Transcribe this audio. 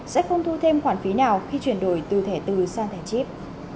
sẽ không thu thêm khoản phí nào khi chuyển đổi từ thẻ từ sang thẻ chip